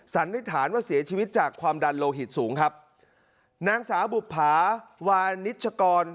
สันนิษฐานว่าเสียชีวิตจากความดันโลหิตสูงครับนางสาวบุภาวานิชกร